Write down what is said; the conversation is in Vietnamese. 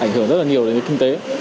ảnh hưởng rất là nhiều đến kinh tế